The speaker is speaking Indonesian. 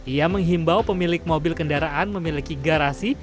ia menghimbau pemilik mobil kendaraan memiliki garasi